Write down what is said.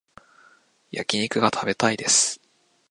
焼き肉が食べたいです